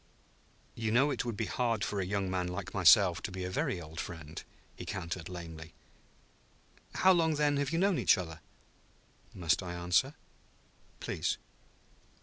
"You know it would be hard for a young man like myself to be a very old friend," he countered lamely. "How long, then, have you known each other?" "Must I answer?" "Please."